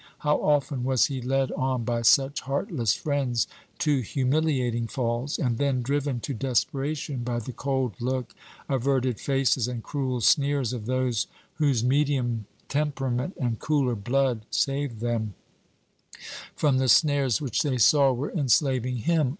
How often was he led on by such heartless friends to humiliating falls, and then driven to desperation by the cold look, averted faces, and cruel sneers of those whose medium temperament and cooler blood saved them from the snares which they saw were enslaving him.